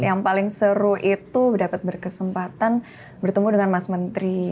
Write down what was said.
yang paling seru itu dapat berkesempatan bertemu dengan mas menteri